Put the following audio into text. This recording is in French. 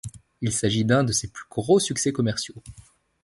Il s'agit d'un de ses plus gros succès commerciaux.